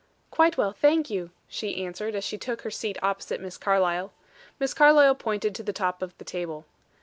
"Quite well, thank you," she answered, as she took her seat opposite Miss Carlyle. Miss Carlyle pointed to the top of the table.